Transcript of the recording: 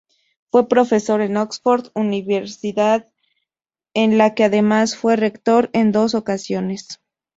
Fue profesor en Oxford, universidad en la que además fue rector en dos ocasiones.